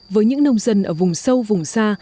với những nông dân ở vùng sâu vùng xa